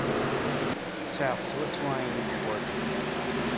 Sɛiɣ swaswa ayen ay teḥwajed.